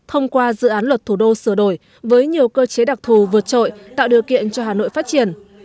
thông qua dự án luật thủ đô sửa đổi với nhiều cơ chế đặc thù vượt trội tạo điều kiện cho hà nội phát triển